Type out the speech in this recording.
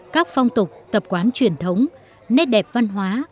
các phong tục tập quán truyền thống nét đẹp văn hóa